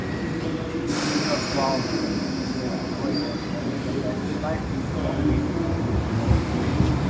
This is a bowl-shaped crater formation that is slightly elongated to the northwest.